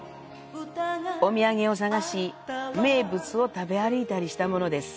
お土産を探し、名物を食べ歩いたりしたものです。